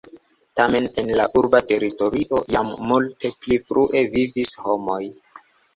Tamen en la urba teritorio jam multe pli frue vivis homoj.